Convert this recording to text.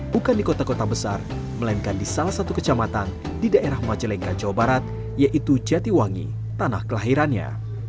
bukan di kota kota besar melainkan di salah satu kecamatan di daerah majalengka jawa barat yaitu jatiwangi tanah kelahirannya